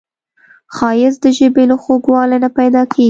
ښایست د ژبې له خوږوالي نه پیداکیږي